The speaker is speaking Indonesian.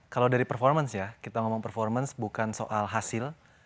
kalau dari performance ya kita ngomong performance bukan soal hasil